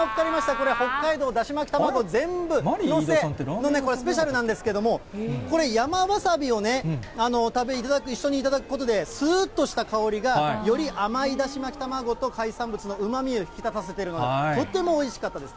これ、北海道だし巻き卵全部載せのこれ、スペシャルなんですけども、これ、山わさびを一緒に頂くことで、すーっとした香りが、より甘いだし巻き卵と海産物のうまみを引き立たせている、とってもおいしかったです。